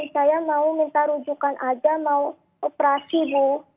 saya mau minta rujukan aja mau operasi bu